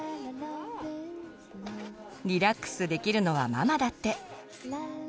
リラックスできるのはママだって。